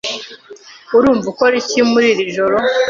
Urumva ukora iki muri iri joro?